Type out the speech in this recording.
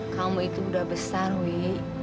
kamu itu udah besar wi